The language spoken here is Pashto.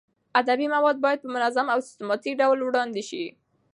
ادبي مواد باید په منظم او سیستماتیک ډول وړاندې شي.